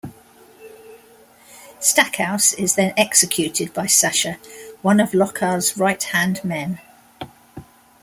Stackhouse is then executed by Sasha, one of Lokar's right-hand men.